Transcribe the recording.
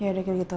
ya udah gitu gitu